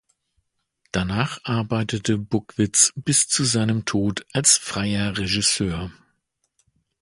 Danach arbeitete Buckwitz bis zu seinem Tod als freier Regisseur.